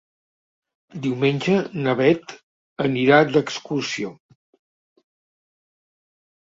Diumenge na Bet anirà d'excursió.